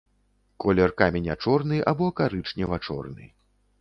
Колер каменя чорны або карычнева-чорны.